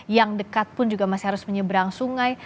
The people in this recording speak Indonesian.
yang dekat pun juga masih harus menyeberang sungai